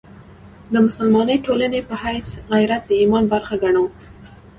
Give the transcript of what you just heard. د مسلمانې ټولنې په حیث غیرت د ایمان برخه ګڼو.